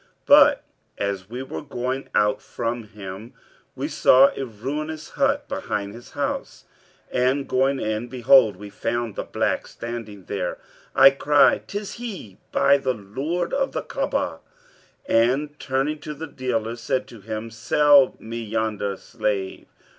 But, as we were going out from him we saw a ruinous hut behind his house and going in behold, we found the black standing there. I cried, ''Tis he, by the Lord of the Ka'abah!' and turning to the dealer, said to him, 'Sell me yonder slave.'